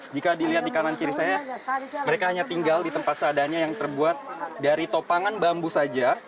jika dilihat di kanan kiri saya mereka hanya tinggal di tempat seadanya yang terbuat dari topangan bambu saja